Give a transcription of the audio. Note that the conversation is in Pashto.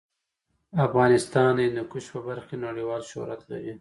افغانستان د هندوکش په برخه کې نړیوال شهرت لري.